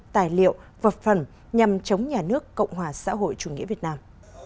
tài liệu vật phẩm nhằm chống nhà nước cộng hòa xã hội chủ nghĩa việt nam